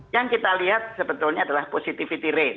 yang kita lihat sebetulnya adalah positivity rate